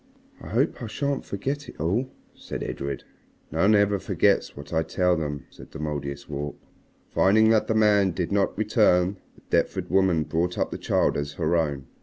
"I hope I shan't forget it all," said Edred. "None ever forgets what I tell them," said the Mouldiestwarp. "Finding that the man did not return, the Deptford woman brought up the child as her own.